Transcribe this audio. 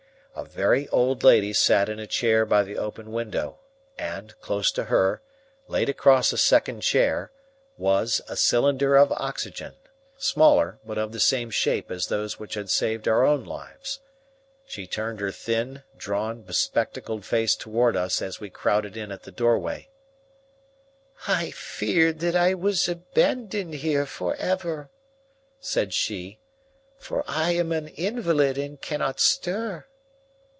A very old lady sat in a chair by the open window, and close to her, laid across a second chair, was a cylinder of oxygen, smaller but of the same shape as those which had saved our own lives. She turned her thin, drawn, bespectacled face toward us as we crowded in at the doorway. "I feared that I was abandoned here forever," said she, "for I am an invalid and cannot stir."